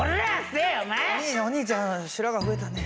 お兄ちゃん白髪増えたね。